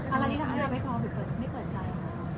อะไรที่ทำให้พอไม่เกิดใจ